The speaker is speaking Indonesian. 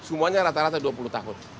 semuanya rata rata dua puluh tahun